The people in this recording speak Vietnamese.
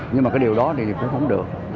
nhưng mà cái điều đó thì cũng không được